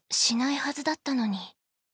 ［しないはずだったのに］